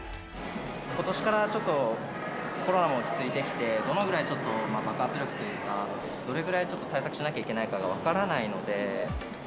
ことしからちょっとコロナも落ち着いてきて、どのくらい爆発力というか、どれくらい対策しないといけないのか分からないので。